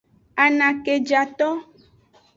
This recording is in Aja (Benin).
Anakejato.